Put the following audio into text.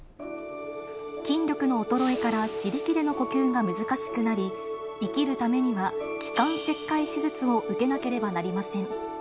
筋力の衰えから自力での呼吸が難しくなり、生きるためには、気管切開手術を受けなければなりません。